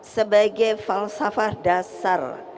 sebagai falsafah dasar